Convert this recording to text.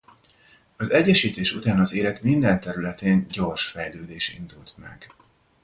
Az egyesítés után az élet minden területén gyors fejlődés indult meg.